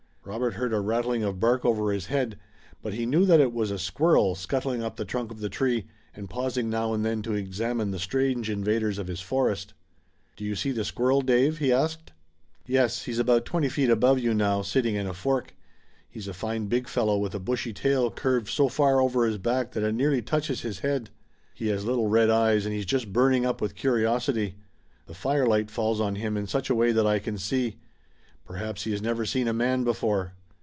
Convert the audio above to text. Robert heard a rattling of bark over his head, but he knew that it was a squirrel scuttling up the trunk of the tree, and pausing now and then to examine the strange invaders of his forest. "Do you see the squirrel, Dave?" he asked. "Yes, he's about twenty feet above you now, sitting in a fork. He's a fine big fellow with a bushy tail curved so far over his back that it nearly touches his head. He has little red eyes and he's just burning up with curiosity. The firelight falls on him in such a way that I can see. Perhaps he has never seen a man before.